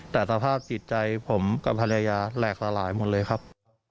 แต่สภาพจิตใจผมกับภรรยาแหลกสลายหมดเลยครับ